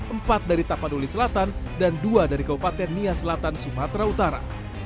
empat dari tapanuli selatan dan dua dari kabupaten nia selatan sumatera utara